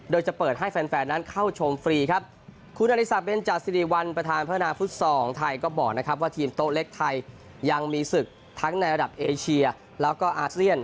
โดยจะเปิดให้แฟนแฟนนั้นเข้าชมฟรีครับคุณอริสักเบนจาสิริวัลประธานพัฒนาฟุตซอลไทยก็บอกนะครับว่าทีมโต๊ะเล็กไทยยังมีศึกทั้งในระดับเอเชียแล้วก็อาเซียน